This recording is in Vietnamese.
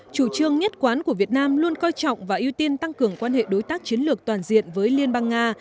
chủ trương nhất quán của việt nam luôn coi trọng và ưu tiên tăng cường quan hệ đối tác chiến lược toàn diện với liên bang nga